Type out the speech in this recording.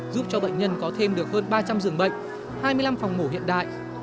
giúp cho bệnh nhân có thêm được hơn ba trăm linh dường bệnh hai mươi năm phòng mổ hiện đại